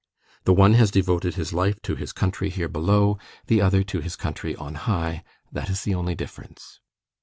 The one has devoted his life to his country here below, the other to his country on high; that is the only difference.